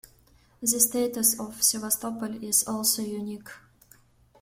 The status of Sevastopol is also unique.